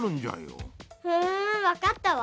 ふんわかったわ。